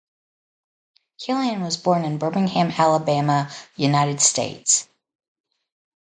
Killian was born in Birmingham, Alabama, United States.